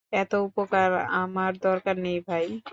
এত উপকার আমার দরকার নেই, ভাই।